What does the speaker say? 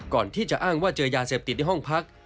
อ้างว่าเจอยาเสพติดในห้องพัก